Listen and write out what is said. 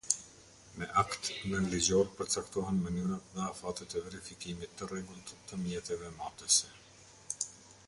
Me akt nënligjor përcaktohen mënyrat dhe afatet e verifikimit të rregullt të mjeteve matëse.